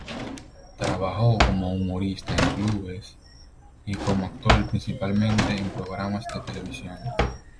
Trabajó como humorista en clubes y como actor principalmente en programas de televisión.